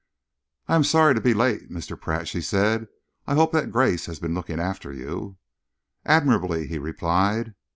"I am sorry to be late, Mr. Pratt," she said. "I hope that Grace has been looking after you." "Admirably," he replied.